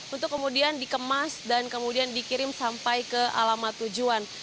untuk kemudian dikemas dan kemudian dikirim sampai ke alamat tujuan